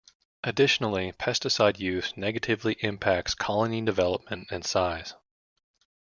Additionally, pesticide use negatively impacts colony development and size.